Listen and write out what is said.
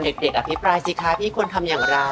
อภิปรายสิคะพี่ควรทำอย่างไร